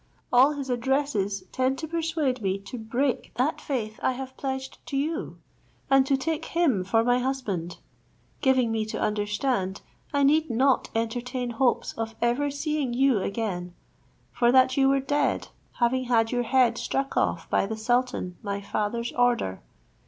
All his addresses tend to persuade me to break that faith I have pledged to you, and to take him for my husband; giving me to understand, I need not entertain hopes of ever seeing you again, for that you were dead, having had your head struck off by the sultan my father's order.